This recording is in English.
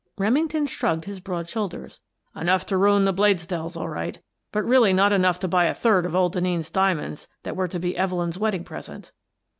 Remington shrugged his broad shoulders. "Enough to ruin the Bladesdells, all right, but really not enough to buy a third of old Denneen's diamonds that were to be Evelyn's wedding pres ent."